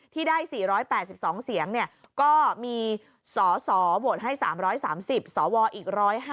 ที่ได้๔๘๒เสียงก็มีสสโหวตให้๓๓๐สวอีก๑๕